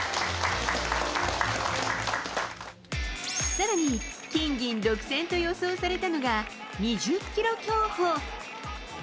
さらに、金銀独占と予想されたのが、２０キロ競歩。